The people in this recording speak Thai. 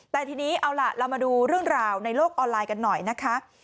แต่ทีนี้เอาล่ะเรามาดูเรื่องราวในโลกออนไลน์กันหน่อยนะคะ